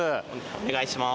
お願いします。